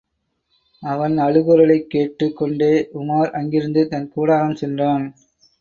அவன் அழுகுரலைக் கேட்டுக் கொண்டே உமார் அங்கிருந்து தன் கூடாரம் சென்றான்.